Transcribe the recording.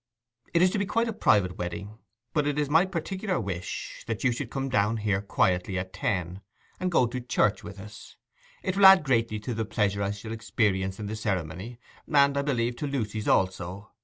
'It is to be quite a private wedding; but it is my particular wish that you come down here quietly at ten, and go to church with us; it will add greatly to the pleasure I shall experience in the ceremony, and, I believe, to Lucy's also.